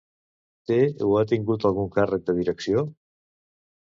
Té o ha tingut algun càrrec de direcció?